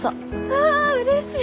ああっうれしい！